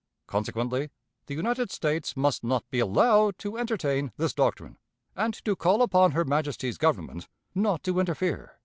Consequently, the United States must not be allowed to entertain this doctrine, and to call upon her Majesty's Government not to interfere."